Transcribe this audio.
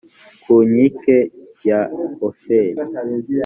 ku nkike ya ofeli